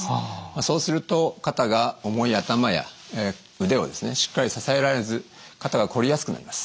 そうすると肩が重い頭や腕をですねしっかり支えられず肩がこりやすくなります。